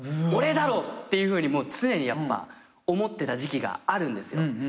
俺だろ！っていうふうに常にやっぱ思ってた時期があるんですよ。